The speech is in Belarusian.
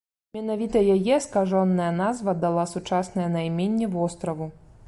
Менавіта яе скажоная назва дала сучаснае найменне востраву.